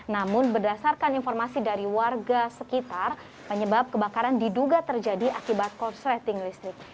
namun berdasarkan informasi dari warga sekitar penyebab kebakaran diduga terjadi akibat korsleting listrik